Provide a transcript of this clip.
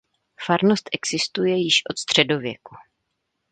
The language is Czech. Farnost existuje již od středověku.